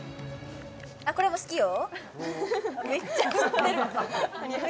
あっこれも好きよ